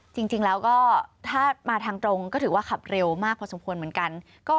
จริงแล้วก็ถ้ามาทางตรงก็ถือว่าขับเร็วมากพอสมควรเหมือนกัน